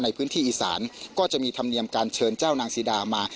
ในพื้นที่อีสานก็จะมีธรรมเนียมการเชิญเจ้านางซีดามา